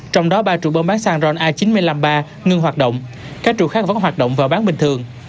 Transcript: trong đó ba trụ bơm bán xăng ron a chín trăm năm mươi ba ngưng hoạt động các trụ khác vẫn hoạt động và bán bình thường